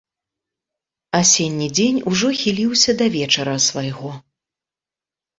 Асенні дзень ужо хіліўся да вечара свайго.